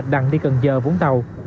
đặn đi cần giờ vũng tàu